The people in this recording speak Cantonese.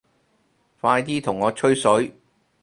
快啲同我吹水